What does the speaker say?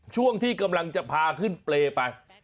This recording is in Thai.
ช่วงที่กำลังจะพาขึ้นเปรย์ไป